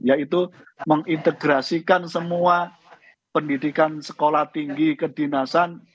yaitu mengintegrasikan semua pendidikan sekolah tinggi kedinasan